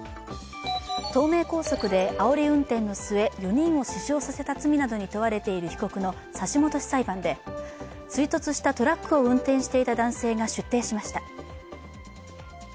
東名高速であおり運転の末、４人を死傷させたとする被告の差し戻し裁判で追突したトラックを運転していた男性が出廷しました。